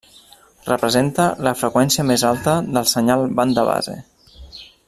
Representa la freqüència més alta del senyal banda base.